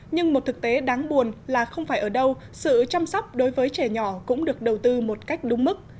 nhưng một thực tế đáng buồn là không phải ở đâu sự chăm sóc đối với trẻ nhỏ cũng được đầu tư một cách đúng mức